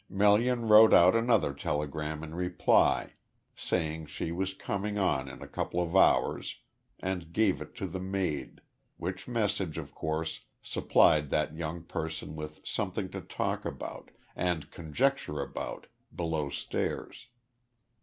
Melian wrote out another telegram in reply, saying she was coming on in a couple of hours, and gave it to the maid, which message of course supplied that young person with something to talk about, and conjecture about, below stairs.